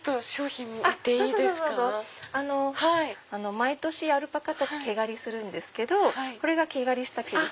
毎年アルパカたち毛刈りするんですけどこれが毛刈りした毛です